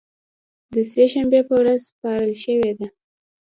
د سې شنبې په ورځ سپارل شوې ده